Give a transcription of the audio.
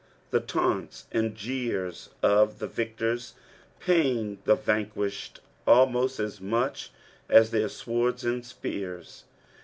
The taunts and jeera of the victors pain the vanquished almost as much as their swords and Epeani.